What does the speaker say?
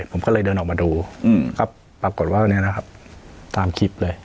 ผมก็เลยเดินออกมาดูก็ปรากฏว่าวันนี้นะครับตามคลิปเลย